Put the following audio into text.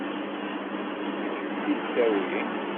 Ad k-tt-id-tawi?